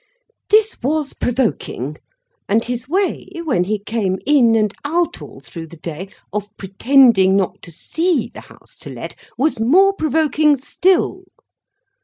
This was provoking; and his way, when he came in and out all through the day, of pretending not to see the House to Let, was more provoking still.